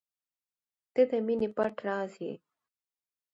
• ته د مینې پټ راز یې.